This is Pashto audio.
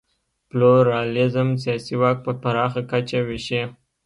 پلورالېزم سیاسي واک په پراخه کچه وېشي.